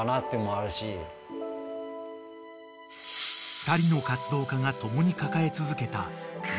［２人の活動家が共に抱え続けた同じ後悔］